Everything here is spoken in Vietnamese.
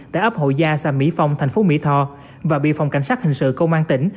tại ấp hội gia xã mỹ phong thành phố mỹ tho và bị phòng cảnh sát hình sự công an tỉnh